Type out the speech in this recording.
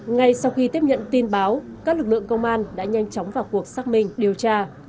ngay sau khi tiếp nhận tin báo các lực lượng công an đã nhanh chóng vào cuộc xác minh điều tra